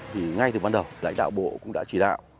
thì ngay từ ban đầu lãnh đạo bộ cũng đã chỉ đạo